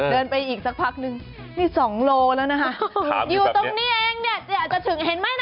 เดินไปอีกสักพักนึงนี่๒โลแล้วนะคะอยู่ตรงนี้เองเนี่ยจะถึงเห็นไหมนะ